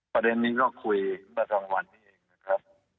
ประเด็นนี้ก็คุยมาทั้งวันเองนะครับ